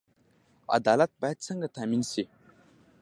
عدالت باید څنګه تامین شي؟